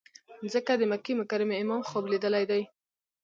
ځکه د مکې مکرمې امام خوب لیدلی دی.